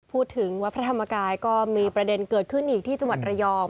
พูดถึงวัดพระธรรมกายก็มีประเด็นเกิดขึ้นอีกที่จังหวัดระยอง